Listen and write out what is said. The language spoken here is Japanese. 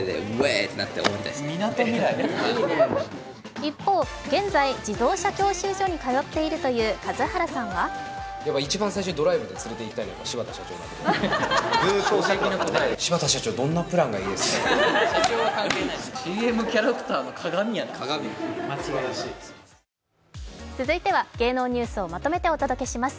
一方、現在、自動車教習所に通っているという数原さんは続いては芸能ニュースをまとめてお届けします。